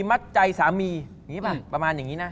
มัดใจสามีประมาณอย่างนี้นะ